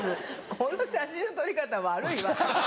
この写真の撮り方悪いわ。